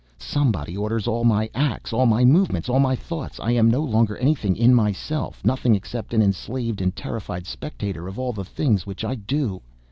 Somebody orders all my acts, all my movements, all my thoughts. I am no longer anything in myself, nothing except an enslaved and terrified spectator of all the things which I do.